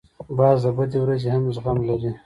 باز د بدې ورځې هم زغم لري